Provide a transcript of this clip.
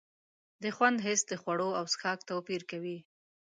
د خوند حس د خوړو او څښاک توپیر کوي.